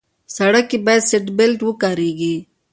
سړک کې باید سیټ بیلټ وکارېږي.